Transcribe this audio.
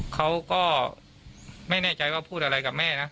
เขาก็ไม่แน่ใจว่าพูดอะไรกับแม่นะ